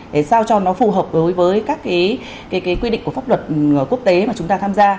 để sao cho nó phù hợp đối với các quy định của pháp luật quốc tế mà chúng ta tham gia